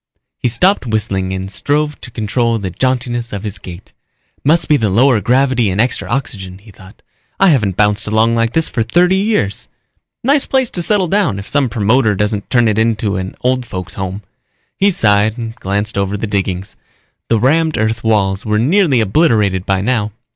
He stopped whistling and strove to control the jauntiness of his gait. Must be the lower gravity and extra oxygen, he thought. _I haven't bounced along like this for thirty years. Nice place to settle down if some promoter doesn't turn it into an old folks home._ He sighed and glanced over the diggings. The rammed earth walls were nearly obliterated by now.